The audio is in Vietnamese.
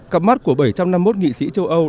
cặp mắt của bảy trăm năm mươi một nghị sĩ châu âu